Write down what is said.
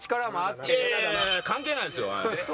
いやいや関係ないですよ。